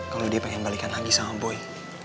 kalau dia pengen balikan lagi sama boy